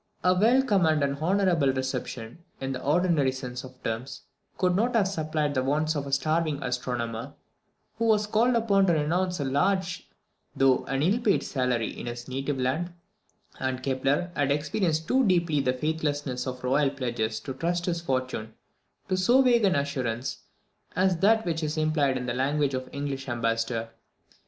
A welcome and an honourable reception, in the ordinary sense of these terms, could not have supplied the wants of a starving astronomer, who was called upon to renounce a large though an ill paid salary in his native land; and Kepler had experienced too deeply the faithlessness of royal pledges to trust his fortune to so vague an assurance as that which is implied in the language of the English ambassador.